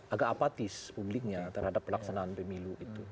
agak apatis publiknya terhadap pelaksanaan pemilu itu